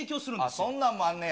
そんなんもあんねや。